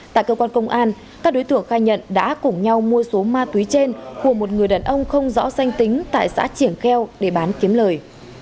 tại cơ quan công an các đối tượng khai nhận đã cùng nhau mua số ma túy trên của một người đàn ông không rõ danh tính tại xã triển kheo để bán kiếm lời